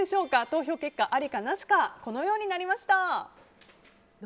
投票結果、ありかなしかこのようになりました。